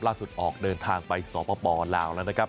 ล่าสุดออกเดินทางไปสองพระปอล์ลาวนะครับ